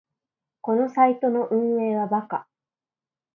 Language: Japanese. このサイトの運営はバカ